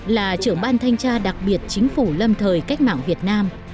là trưởng ban thanh tra đặc biệt chính phủ lâm thời cách mạng việt nam